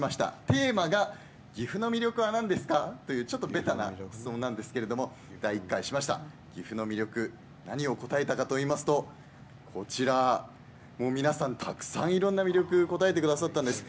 テーマが岐阜の魅力がなんですか？というちょっとべたな質問なんですけど岐阜の魅力何を答えたかといいますと皆さん、たくさんいろんな魅力を答えてくださったんです。